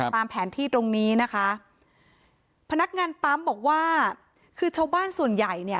ตามแผนที่ตรงนี้นะคะพนักงานปั๊มบอกว่าคือชาวบ้านส่วนใหญ่เนี่ย